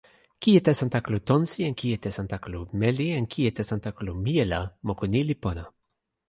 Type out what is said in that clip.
kijetesantakalu tonsi en kijetesantakalu meli en kijetesantakalu mije la moku ni li pona.